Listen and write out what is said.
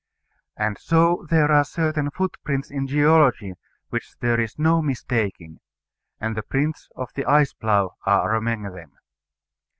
And so there are certain footprints in geology which there is no mistaking; and the prints of the ice plough are among them.